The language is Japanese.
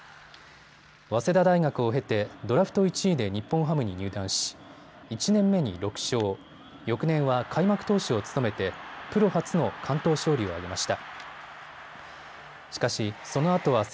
早稲田大学を経てドラフト１位で日本ハムに入団し、１年目に６勝、翌年は開幕投手を務めてプロ初の完投勝利を挙げました。